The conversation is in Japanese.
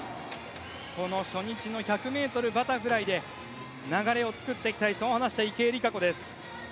初日の１００ｍバタフライで流れを作りたいそう話していた池江璃花子です。